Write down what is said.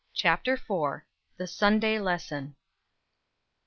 CHAPTER IV. THE SUNDAY LESSON.